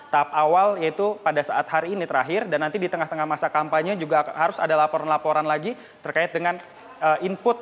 tahap awal yaitu pada saat hari ini terakhir dan nanti di tengah tengah masa kampanye juga harus ada laporan laporan lagi terkait dengan input